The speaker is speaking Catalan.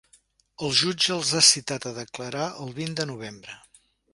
El jutge els ha citats a declarar el vint de novembre.